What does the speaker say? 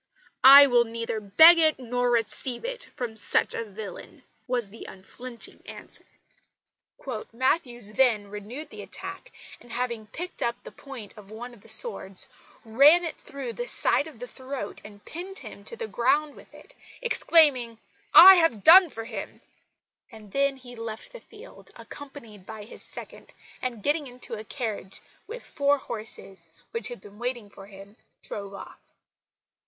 "I will neither beg it, nor receive it from such a villain," was the unflinching answer. "Matthews then renewed the attack, and, having picked up the point of one of the swords, ran it through the side of the throat and pinned him to the ground with it, exclaiming, 'I have done for him.' He then left the field, accompanied by his second, and, getting into a carriage with four horses which had been waiting for him, drove off."